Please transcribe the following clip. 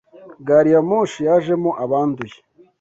Gari ya moshi yajemo abanduye